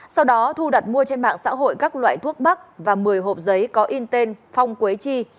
sau đó thu đặt mua trên mạng xã hội các loại thuốc bắc và một mươi hộp giấy có in tên phong quế chi